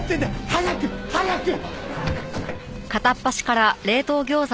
早く！早く！